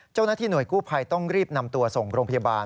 เจ้าหน้าที่หน่วยกู้ภัยต้องรีบนำตัวส่งโรงพยาบาล